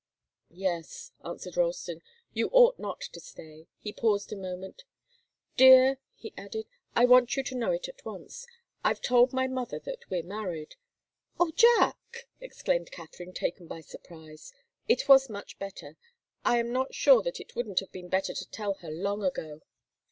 "Yes," answered Ralston. "You ought not to stay." He paused a moment. "Dear," he added, "I want you to know it at once I've told my mother that we're married " "Oh, Jack!" exclaimed Katharine, taken by surprise. "It was much better. I am not sure that it wouldn't have been better to tell her long ago.